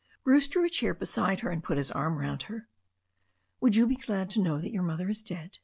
Bruce drew a chair beside her, and put his arm round her. ''Would you be glad to know that your mother is dead?"